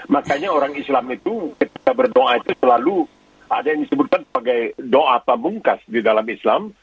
makanya orang islam itu ketika berdoa itu selalu ada yang disebutkan sebagai doa pamungkas di dalam islam